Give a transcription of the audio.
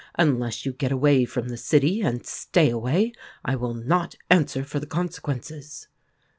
Unless you get away from the city, and stay away, I will not answer for the consequences